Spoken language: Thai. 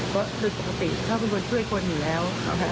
เพราะโดยปกติเขาเป็นคนช่วยคนอยู่แล้ว